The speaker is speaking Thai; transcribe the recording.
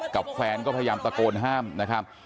กับแฟนก็พยายามตะโกนห้ามนะครับ